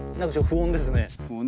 不穏ですね。